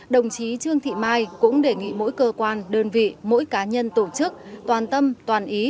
đồng chí trương thị mai cũng đề nghị mỗi cơ quan đơn vị mỗi cá nhân tổ chức toàn tâm toàn ý